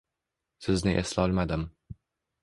Sizni eslolmadim.